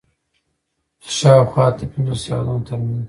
د شاوخوا اته پنځوس هېوادونو تر منځ